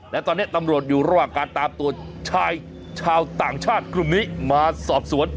และตอนนี้ตำรวจอยู่ระหว่างการตามตัวชายชาวต่างชาติกลุ่มนี้มาสอบสวน